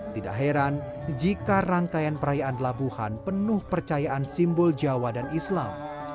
tidak heran jika rangkaian perayaan labuhan penuh percayaan simbol jawa dan islam